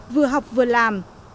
vừa học vừa làm